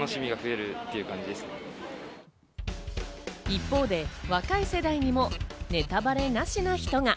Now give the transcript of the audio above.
一方で若い世代にもネタバレなしの人が。